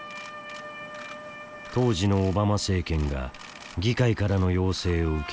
当時のオバマ政権が議会からの要請を受け